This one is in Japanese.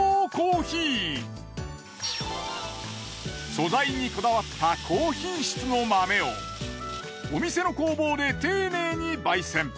素材にこだわった高品質の豆をお店の工房で丁寧に焙煎。